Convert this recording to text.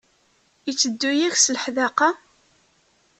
Yetteddu-ak s leḥdaqa?